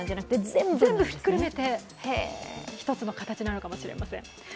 全部ひっくるめて一つの形なのかもしれません。